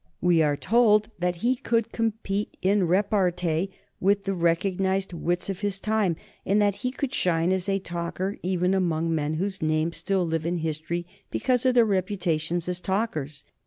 We are told that he could compete in repartee with the recognized wits of his time, and that he could shine as a talker even among men whose names still live in history because of their reputations as talkers.